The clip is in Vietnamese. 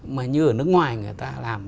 mà như ở nước ngoài người ta làm